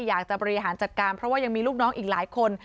อยากจะบริหารจัดการเพราะว่ายังมีลูกน้องอีกหลายคน